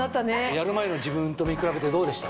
やる前の自分と見比べてどうでした？